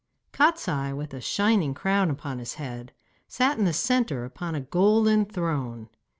Kostiei, with a shining crown upon his head, sat in the centre upon a golden throne.